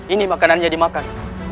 ini makanannya dimakan